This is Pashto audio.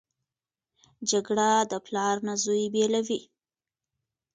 جګړه د پلار نه زوی بېلوي